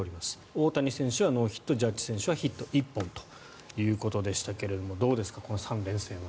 大谷選手はノーヒットジャッジ選手はヒット１本ということでしたがどうですか、この３連戦は。